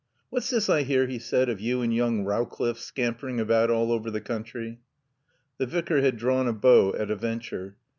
"What's this I hear," he said, "of you and young Rowcliffe scampering about all over the country?" The Vicar had drawn a bow at a venture.